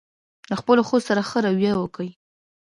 له خپلو ښځو سره ښه راویه وکوئ.